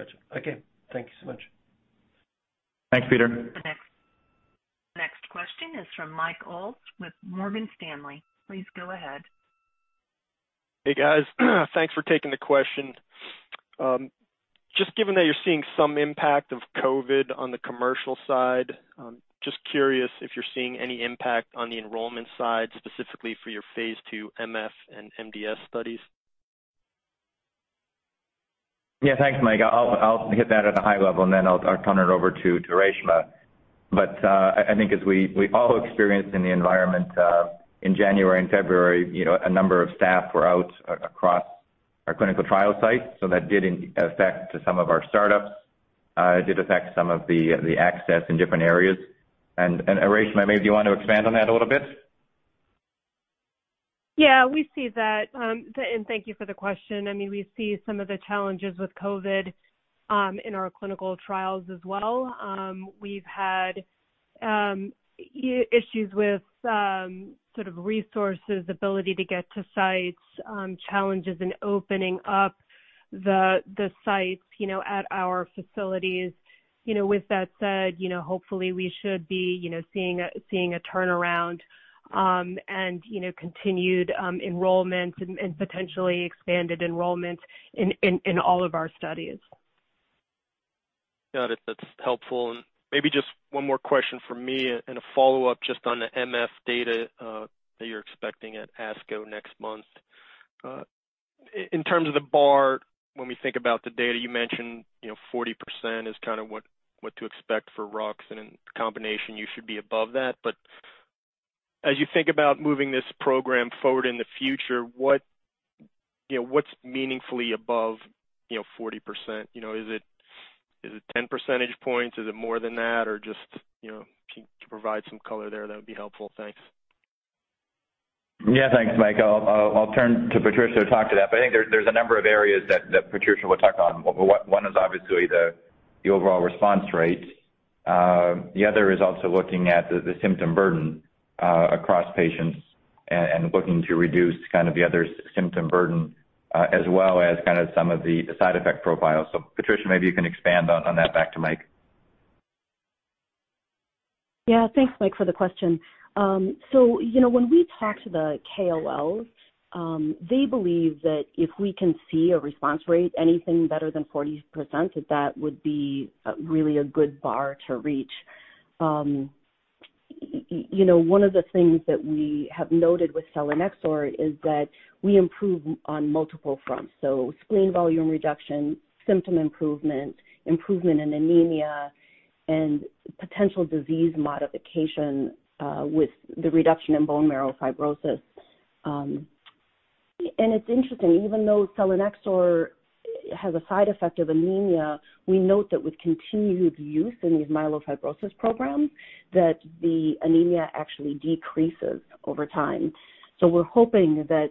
Got you. Okay. Thank you so much.
Thanks, Peter.
The next question is from Michael Ulz with Morgan Stanley. Please go ahead.
Hey, guys. Thanks for taking the question. Just given that you're seeing some impact of COVID on the commercial side, just curious if you're seeing any impact on the enrollment side, specifically for your phase II MF and MDS studies.
Yeah. Thanks, Mike. I'll hit that at a high level, and then I'll turn it over to Reshma. I think as we all experienced in the environment in January and February, you know, a number of staff were out across our clinical trial sites, so that did affect some of our startups. It did affect some of the access in different areas. Reshma, maybe you want to expand on that a little bit?
Yeah, we see that. Thank you for the question. I mean, we see some of the challenges with COVID.
In our clinical trials as well. We've had issues with sort of resources, ability to get to sites, challenges in opening up the sites, you know, at our facilities. You know, with that said, you know, hopefully, we should be, you know, seeing a turnaround and continued enrollment and potentially expanded enrollment in all of our studies.
Got it. That's helpful. Maybe just one more question from me and a follow-up just on the MF data that you're expecting at ASCO next month. In terms of the bar, when we think about the data, you mentioned, you know, 40% is kinda what to expect for Rux. In combination, you should be above that. As you think about moving this program forward in the future, what, you know, what's meaningfully above, you know, 40%? You know, is it 10 percentage points? Is it more than that? Or just, you know, can you provide some color there, that would be helpful. Thanks.
Yeah. Thanks, Mike. I'll turn to Patricia to talk to that. I think there's a number of areas that Patricia will touch on. One is obviously the overall response rates. The other is also looking at the symptom burden across patients and looking to reduce kind of the other symptom burden as well as kind of some of the side effect profiles. Patricia, maybe you can expand on that back to Mike.
Yeah. Thanks, Mike, for the question. You know, when we talk to the KOLs, they believe that if we can see a response rate anything better than 40%, that would be really a good bar to reach. You know, one of the things that we have noted with selinexor is that we improve on multiple fronts, so spleen volume reduction, symptom improvement in anemia, and potential disease modification with the reduction in bone marrow fibrosis. It's interesting, even though selinexor has a side effect of anemia, we note that with continued use in these myelofibrosis programs that the anemia actually decreases over time. We're hoping that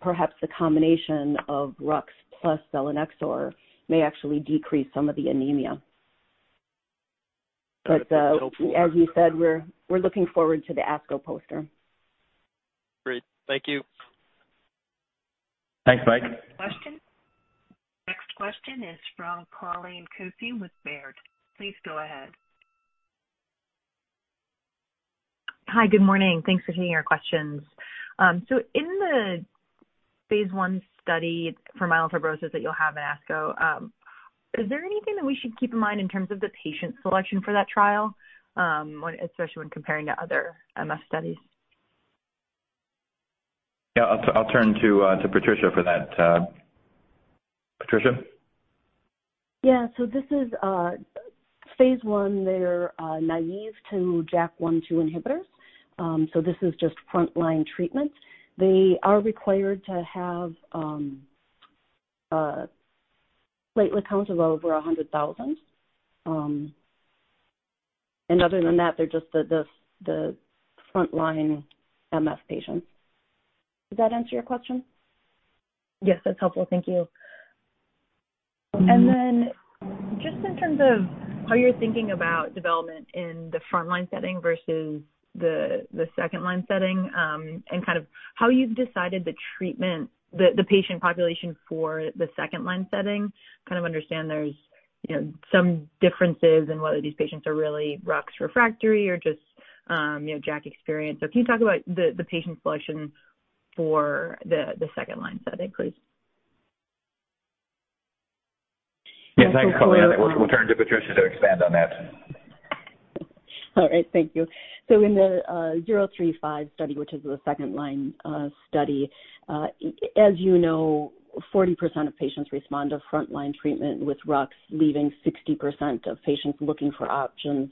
perhaps the combination of Rux plus selinexor may actually decrease some of the anemia. As you said, we're looking forward to the ASCO poster.
Great. Thank you.
Thanks, Mike.
Next question. Next question is from Colleen Kusy with Baird. Please go ahead.
Hi. Good morning. Thanks for taking our questions. In the phase I study for myelofibrosis that you'll have in ASCO, is there anything that we should keep in mind in terms of the patient selection for that trial, especially when comparing to other MF studies?
Yeah. I'll turn to Patricia for that. Patricia?
Yeah. This is phase I. They're naive to JAK1/2 inhibitors. This is just frontline treatment. They are required to have platelet counts of over 100,000. Other than that, they're just the frontline MF patients. Does that answer your question?
Yes, that's helpful. Thank you. Just in terms of how you're thinking about development in the frontline setting versus the second line setting, and kind of how you've decided the patient population for the second line setting. Kind of understand there's, you know, some differences in whether these patients are really Rux refractory or just, you know, JAK experienced. Can you talk about the patient selection for the second line setting, please?
Yeah. Thanks, Colleen. I think we'll turn to Patricia to expand on that.
All right. Thank you. In the XPORT-MF-035 study, which is the second-line study, as you know, 40% of patients respond to frontline treatment with Rux, leaving 60% of patients looking for options.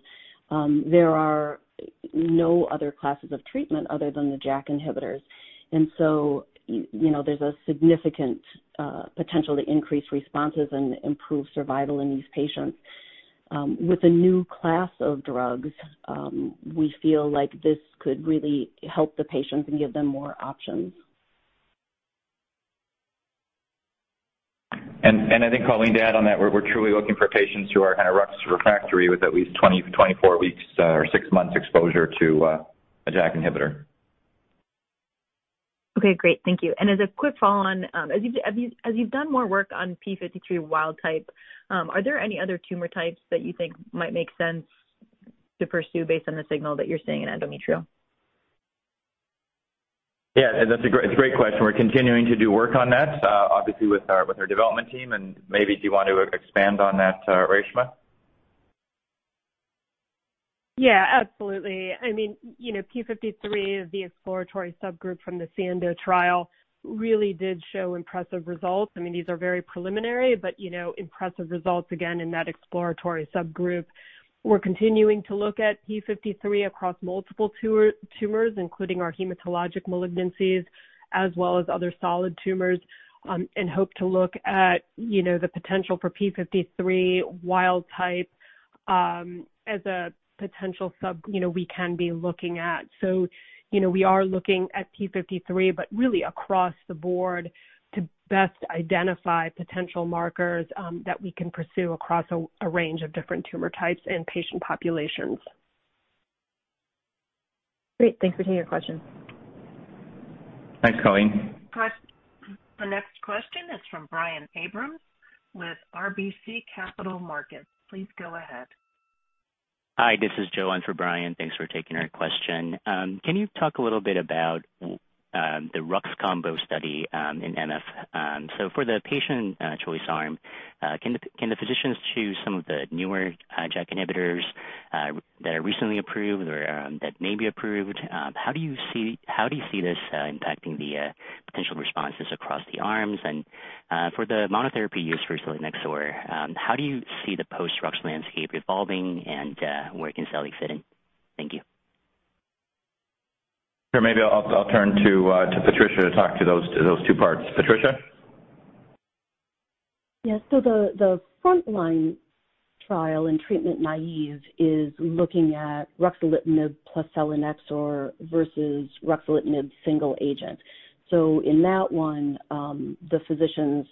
There are no other classes of treatment other than the JAK inhibitors. You know, there's a significant potential to increase responses and improve survival in these patients. With a new class of drugs, we feel like this could really help the patients and give them more options.
I think, Colleen, to add on that, we're truly looking for patients who are kind of rux refractory with at least 24 weeks or six months exposure to a JAK inhibitor.
Okay. Great. Thank you. As a quick follow-on, as you've done more work on p53 wild-type, are there any other tumor types that you think might make sense to pursue based on the signal that you're seeing in endometrial?
Yeah. That's a great, it's a great question. We're continuing to do work on that, obviously with our development team. Maybe do you want to expand on that, Reshma?
Yeah, absolutely. I mean, you know, p53, the exploratory subgroup from the SIENDO trial really did show impressive results. I mean, these are very preliminary, but, you know, impressive results, again, in that exploratory subgroup. We're continuing to look at p53 across multiple tumors, including our hematologic malignancies as well as other solid tumors, and hope to look at, you know, the potential for p53 wild-type as a potential sub, you know, we can be looking at. You know, we are looking at p53, but really across the board to best identify potential markers that we can pursue across a range of different tumor types and patient populations.
Great. Thanks for taking our question.
Thanks, Colleen.
The next question is from Brian Abrahams with RBC Capital Markets. Please go ahead.
Hi, this is Joe on for Brian. Thanks for taking our question. Can you talk a little bit about the Rux combo study in MF? So for the patient choice arm, can the physicians choose some of the newer JAK inhibitors that are recently approved or that may be approved? How do you see this impacting the potential responses across the arms? For the monotherapy use for selinexor, how do you see the post-Rux landscape evolving and where can selinexor fit in? Thank you.
Sure. Maybe I'll turn to Patricia to talk to those two parts. Patricia?
Yes. The frontline trial in treatment naive is looking at ruxolitinib plus selinexor versus ruxolitinib single agent. In that one, the physicians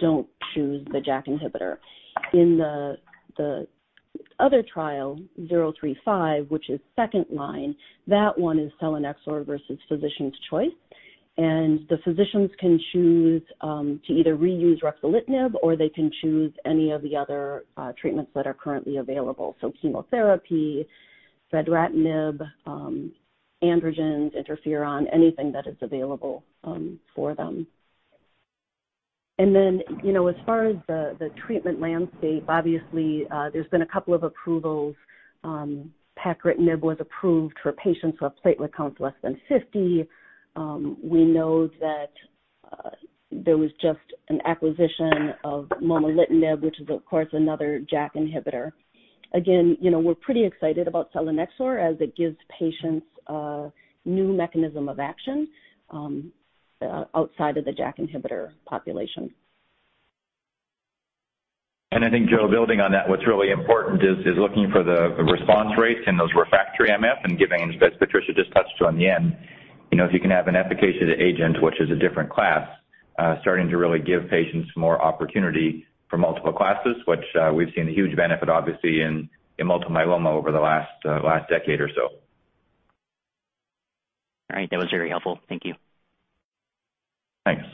don't choose the JAK inhibitor. In the other trial, zero three five, which is second line, that one is selinexor versus physician's choice. The physicians can choose to either reuse ruxolitinib or they can choose any of the other treatments that are currently available. Chemotherapy, fedratinib, androgens, interferon, anything that is available for them. You know, as far as the treatment landscape, obviously, there's been a couple of approvals. Pacritinib was approved for patients who have platelet counts less than 50. We know that there was just an acquisition of momelotinib, which is of course another JAK inhibitor. Again, you know, we're pretty excited about selinexor as it gives patients a new mechanism of action outside of the JAK inhibitor population.
I think, Joe, building on that, what's really important is looking for the response rates in those refractory MF and giving, as Patricia just touched on the end, you know, if you can have an efficacious agent which is a different class, starting to really give patients more opportunity for multiple classes, which, we've seen a huge benefit obviously in multiple myeloma over the last decade or so.
All right. That was very helpful. Thank you.
Thanks.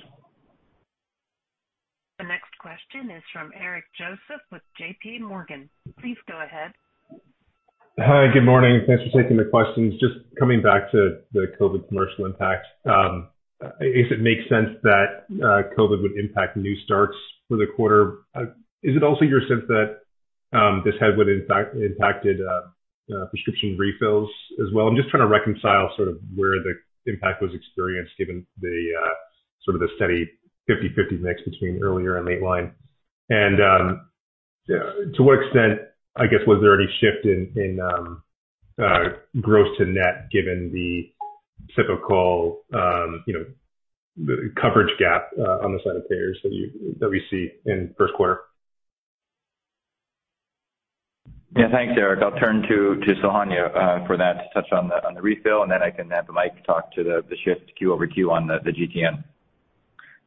The next question is from Eric Joseph with J.P. Morgan. Please go ahead.
Hi. Good morning. Thanks for taking the questions. Just coming back to the COVID commercial impact, if it makes sense that COVID would impact new starts for the quarter, is it also your sense that this in fact impacted prescription refills as well? I'm just trying to reconcile sort of where the impact was experienced given the steady 50/50 mix between earlier and late line. To what extent, I guess, was there any shift in gross to net given the typical, you know, the coverage gap on the side of payers that we see in first quarter?
Thanks, Eric. I'll turn to Sohanya for that to touch on the refill, and then I can have Mike talk to the shift Q over Q on the GTN.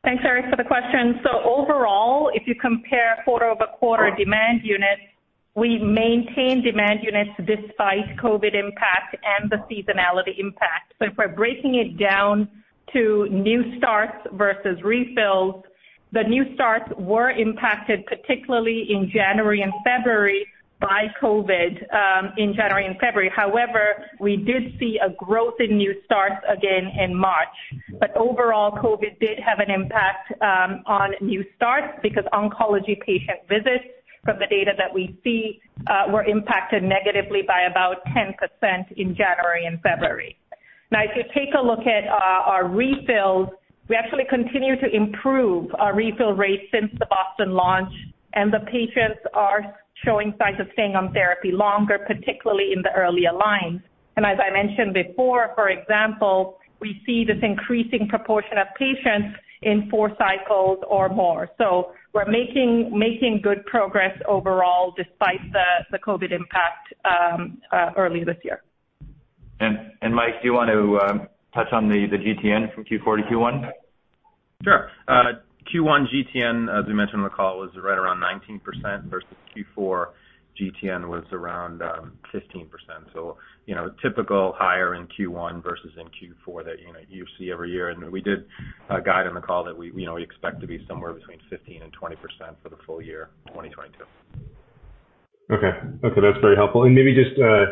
Thanks, Eric, for the question. Overall, if you compare quarter-over-quarter demand units, we maintain demand units despite COVID impact and the seasonality impact. If we're breaking it down to new starts versus refills, the new starts were impacted, particularly in January and February by COVID. However, we did see a growth in new starts again in March. Overall, COVID did have an impact on new starts because oncology patient visits from the data that we see were impacted negatively by about 10% in January and February. Now, if you take a look at our refills, we actually continue to improve our refill rate since the Boston launch, and the patients are showing signs of staying on therapy longer, particularly in the earlier lines. as I mentioned before, for example, we see this increasing proportion of patients in four cycles or more. We're making good progress overall despite the COVID impact early this year.
Mike, do you want to touch on the GTN from Q4 to Q1?
Sure. Q1 GTN, as we mentioned in the call, was right around 19% versus Q4 GTN was around 15%. You know, typical higher in Q1 versus in Q4 that, you know, you see every year. We did guide on the call that we, you know, we expect to be somewhere between 15%-20% for the full year 2022.
Okay. That's very helpful. Maybe just a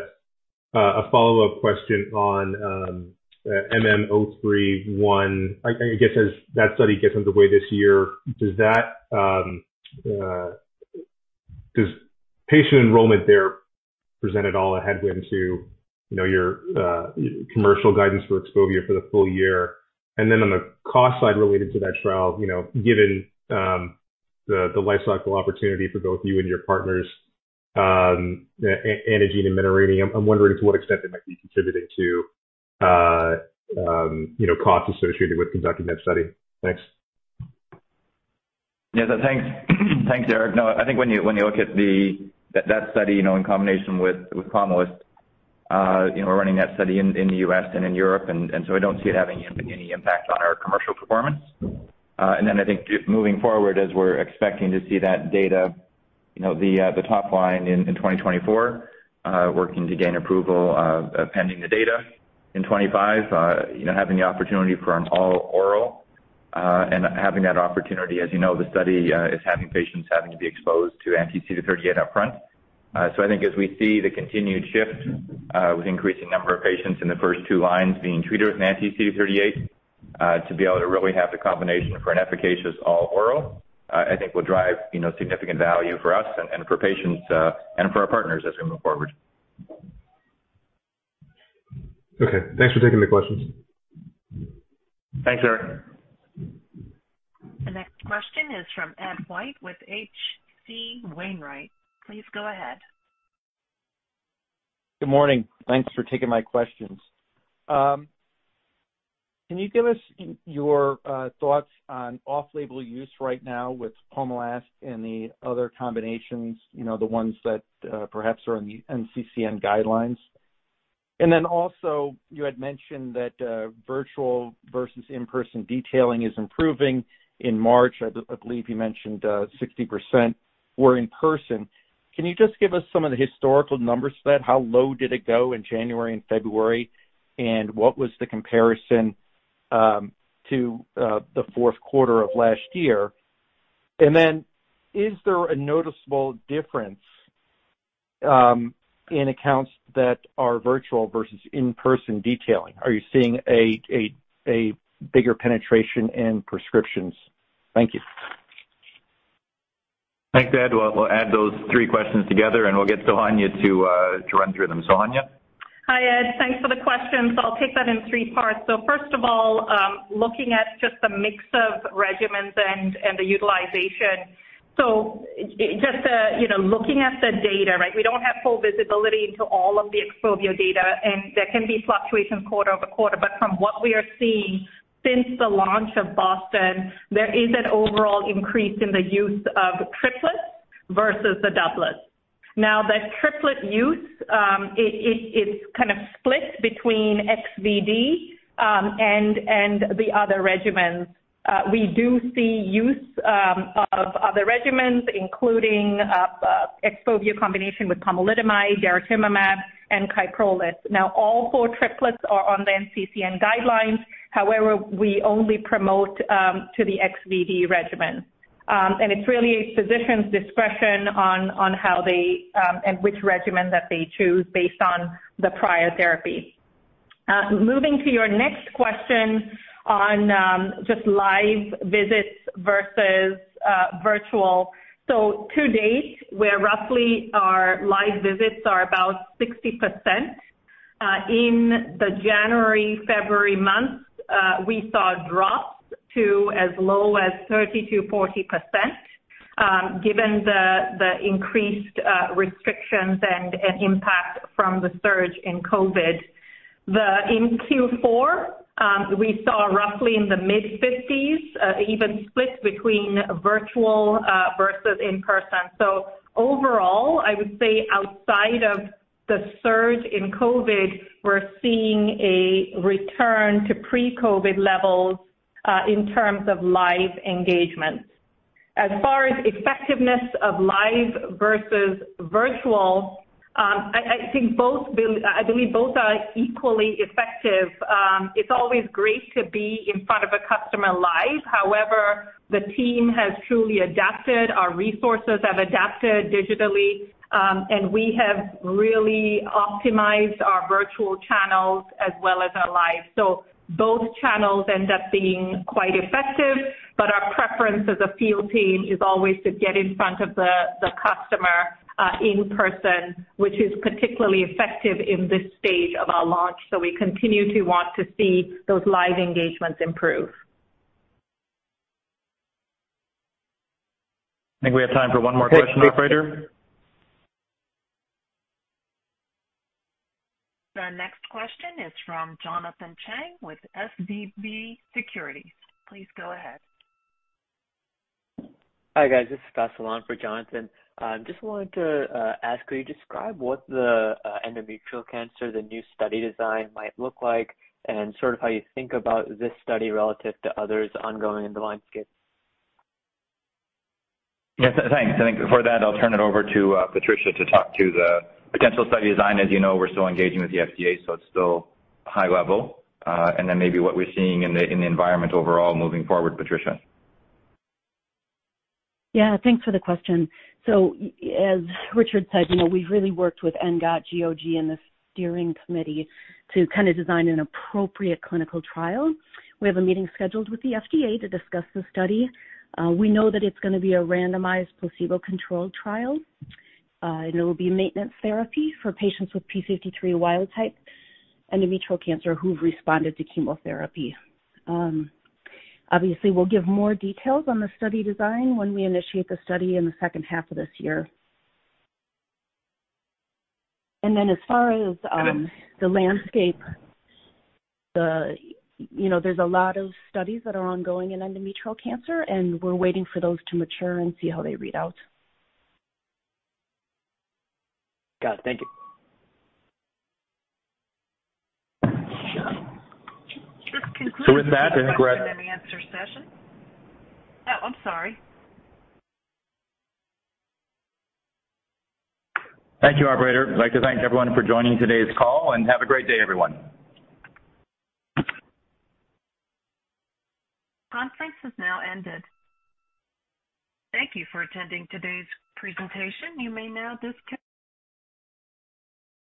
follow-up question on MM031. I guess as that study gets underway this year, does patient enrollment there present at all a headwind to you know, your commercial guidance for XPOVIO for the full year? On the cost side related to that trial, you know, given the life cycle opportunity for both you and your partners, Antengene and Menarini, I'm wondering to what extent they might be contributing to you know, costs associated with conducting that study. Thanks.
Yes, thanks. Thanks, Eric. No, I think when you look at that study, you know, in combination with Pomalyst, you know, we're running that study in the U.S. and in Europe, and so I don't see it having any impact on our commercial performance. I think moving forward, as we're expecting to see that data, you know, the top line in 2024, working to gain approval, pending the data. In 2025, you know, having the opportunity for an all-oral, and having that opportunity, as you know, the study is having patients to be exposed to anti-CD38 up front. I think as we see the continued shift with increasing number of patients in the first two lines being treated with an anti-CD38 to be able to really have the combination for an efficacious all-oral I think will drive you know significant value for us and for patients and for our partners as we move forward.
Okay. Thanks for taking the questions.
Thanks, Eric.
The next question is from Edward White with H.C. Wainwright. Please go ahead.
Good morning. Thanks for taking my questions. Can you give us your thoughts on off-label use right now with Pomalyst and the other combinations, you know, the ones that perhaps are in the NCCN guidelines? Then also you had mentioned that virtual versus in-person detailing is improving. In March, I believe you mentioned 60% were in person. Can you just give us some of the historical numbers for that? How low did it go in January and February? What was the comparison to the fourth quarter of last year? Then is there a noticeable difference in accounts that are virtual versus in-person detailing? Are you seeing a bigger penetration in prescriptions? Thank you.
Thanks, Ed. We'll add those three questions together, and we'll get Sohanya to run through them. Sohanya?
Hi, Ed. Thanks for the questions. I'll take that in three parts. First of all, looking at just the mix of regimens and the utilization. Just you know, looking at the data, right? We don't have full visibility into all of the XPOVIO data, and there can be fluctuations quarter over quarter. From what we are seeing since the launch of BOSTON, there is an overall increase in the use of triplets versus the doublets. Now, the triplet use, it's kind of split between XVd and the other regimens. We do see use of other regimens, including XPOVIO combination with pomalidomide, daratumumab, and Kyprolis. Now, all four triplets are on the NCCN guidelines. However, we only promote to the XVd regimen. It's really physician's discretion on how they and which regimen that they choose based on the prior therapy. Moving to your next question on just live visits versus virtual. To date, we're roughly our live visits are about 60%, in the January, February months, we saw drops to as low as 30%-40%, given the increased restrictions and impact from the surge in COVID. In Q4, we saw roughly in the mid-fifties, even split between virtual versus in person. Overall, I would say outside of the surge in COVID, we're seeing a return to pre-COVID levels in terms of live engagements. As far as effectiveness of live versus virtual, I believe both are equally effective. It's always great to be in front of a customer live. However, the team has truly adapted. Our resources have adapted digitally, and we have really optimized our virtual channels as well as our live. Both channels end up being quite effective, but our preference as a field team is always to get in front of the customer in person, which is particularly effective in this stage of our launch. We continue to want to see those live engagements improve.
I think we have time for one more question, operator.
The next question is from Jonathan Chang with SVB Securities. Please go ahead.
Hi, guys. This is Scott Schoenhaus for Jonathan. Just wanted to ask, could you describe what the endometrial cancer, the new study design might look like, and sort of how you think about this study relative to others ongoing in the landscape?
Yes, thanks. I think for that, I'll turn it over to Patricia to talk to the potential study design. As you know, we're still engaging with the FDA, so it's still high level. Maybe what we're seeing in the environment overall moving forward, Patricia.
Yeah. Thanks for the question. As Richard said, you know, we've really worked with ENGOT, GOG, and the steering committee to kind of design an appropriate clinical trial. We have a meeting scheduled with the FDA to discuss the study. We know that it's gonna be a randomized placebo-controlled trial, and it will be maintenance therapy for patients with p53 wild-type endometrial cancer who've responded to chemotherapy. Obviously, we'll give more details on the study design when we initiate the study in the second half of this year. As far as the landscape, you know, there's a lot of studies that are ongoing in endometrial cancer, and we're waiting for those to mature and see how they read out.
Got it. Thank you.
This concludes.
With that, I think we're
The question and answer session. Oh, I'm sorry.
Thank you, operator. I'd like to thank everyone for joining today's call, and have a great day, everyone.
Conference has now ended. Thank you for attending today's presentation. You may now disconnect.